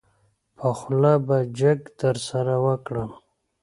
په خوله به جګ درسره وکړم.